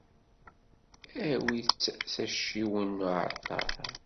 Awit-tt s acciwen n uɛalṭar.